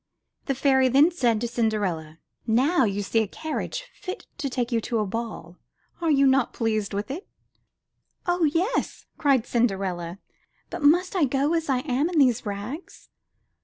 The fairy then said to Cinderella, "Now you see a i68 UP ONE PAIR OF STAIRS carriage fit to take you to the ball. Are you not pleased with it?'' *'0h, yes/' cried Cinderella, ''but must I go as I am in these rags?''